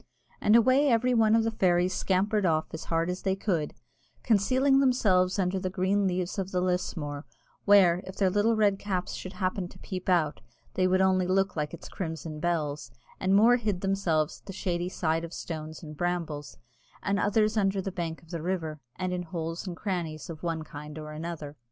And away every one of the fairies scampered off as hard as they could, concealing themselves under the green leaves of the lusmore, where, if their little red caps should happen to peep out, they would only look like its crimson bells; and more hid themselves at the shady side of stones and brambles, and others under the bank of the river, and in holes and crannies of one kind or another.